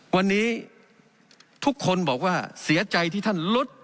วันนี้ทุกคนบอกว่าเสียใจที่ท่านลด